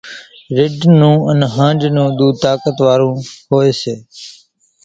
رِڍ نون انين ۿانڍ نون ۮوڌ طاقت وارون هوئيَ سي۔